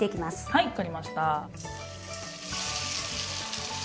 はい分かりました。